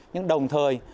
nhưng đồng thời